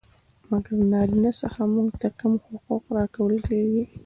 مګر له نارينه څخه موږ ته کم حقوق را کول کيږي.